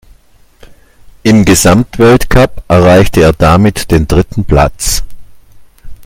Im Gesamtweltcup erreichte er damit den dritten Platz.